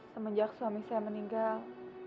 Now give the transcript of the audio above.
semenjak suami saya meninggal